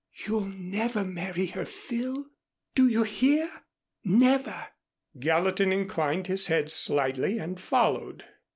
"You'll never marry her, Phil. Do you hear? Never!" Gallatin inclined his head slightly and followed.